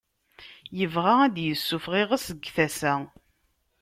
Yebɣa ad d-yessufeɣ iɣes deg tasa.